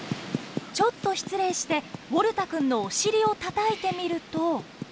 ちょっと失礼してウォルタくんのおしりをたたいてみると。